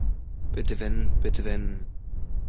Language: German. Bitte wenden, bitte wenden.